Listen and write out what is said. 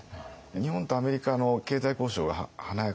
日本とアメリカの経済交渉が華やかかりし頃ですね